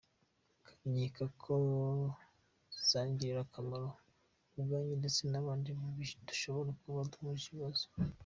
Kandi nkeka ko zangirira akamaro ubwanjye ndetse n’abandi dushobora kuba duhuje ibibazo.